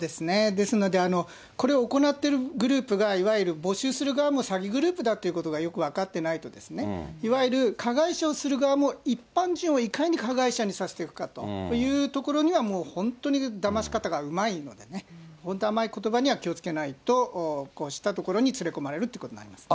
ですので、これを行っているグループが、いわゆる募集する側も詐欺グループだということがよく分かってないと、いわゆる加害者をする側も、一般人をいかに加害者にさせていくかということについては、もう本当にだまし方がうまいのでね、本当、甘いことばには気をつけないと、こうしたところに連れ込まれるということになりますね。